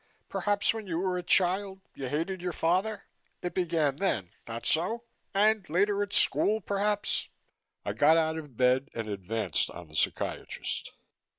Perhaps when you were a child, you hated your father? It began then, not so? And, later at school, perhaps " I got out of bed and advanced on the psychiatrist.